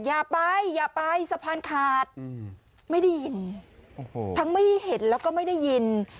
อย่าไปอย่าไปสะพานขาดไม่ได้ยินโอ้โหทั้งไม่เห็นแล้วก็ไม่ได้ยิน